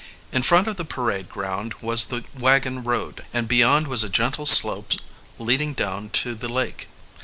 In front of the parade ground was the wagon road, and beyond was a gentle slope leading down to the lake.